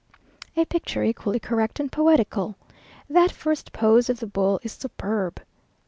A picture equally correct and poetical. That first pose of the bull is superb!